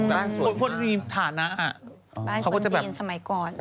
บ้านสวยมากบ้านคนจีนสมัยก่อนพวกมันจะมีฐานะ